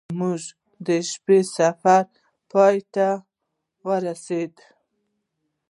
زموږ د دې شپې سفر پای ته ورسید.